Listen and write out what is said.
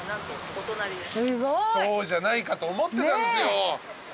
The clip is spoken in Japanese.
そうじゃないかと思ってたんですよ。